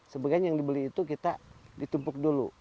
sebagian yang dibeli itu kita ditumpuk dulu